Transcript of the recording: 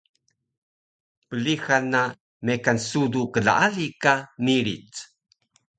Plixan na mekan sudu klaali ka miric